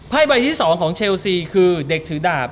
ใบที่๒ของเชลซีคือเด็กถือดาบ